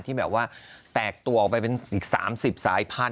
ที่แบบว่าแตกตัวออกไปเป็นอีก๓๐สายพันธุ